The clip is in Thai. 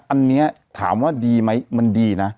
อันนี้ถามว่าดีไหมมันดีนะ